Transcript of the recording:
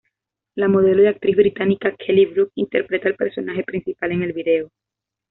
La modelo y actriz británica Kelly Brook interpreta al personaje principal en el vídeo.